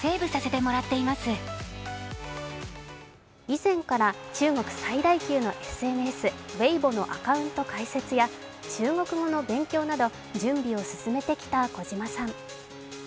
以前から中国最大級のＳＮＳ、Ｗｅｉｂｏのアカウント開設や中国語の勉強など準備を進めてきた小島さん。